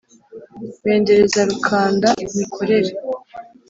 bendereza rukanda-mikore